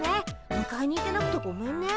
むかえに行けなくてごめんね。